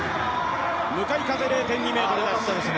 向かい風０．２メートルです。